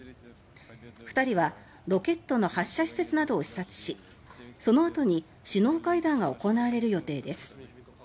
二人はロケットの発射施設などを視察しその後に首脳会談が行われる予定です。